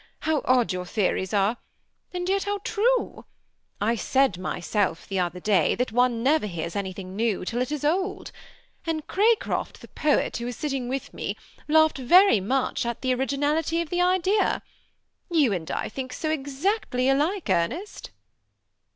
How odd your theories are, and yet how true ! I said myself, the other day, that one never hears anything new till it is old ; and Cracroft the poet, who was sitting with me, laughed very much at the originality of the idea. You and I think so exactly alike, Ernest."